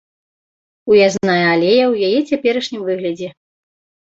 Уязная алея ў яе цяперашнім выглядзе.